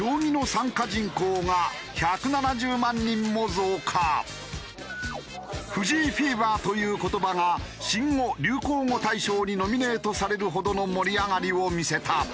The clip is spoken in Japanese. そして「藤井フィーバー」という言葉が新語・流行語大賞にノミネートされるほどの盛り上がりを見せた。